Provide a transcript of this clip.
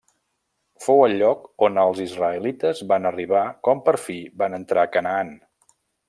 Fou el lloc on els israelites van arribar quan per fi van entrar a Canaan.